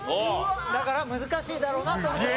だから難しいだろうなと思って。